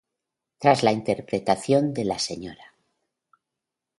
Tras la interpretación de la "sra.